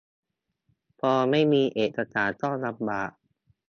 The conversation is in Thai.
พอไม่มีเอกสารก็ลำบาก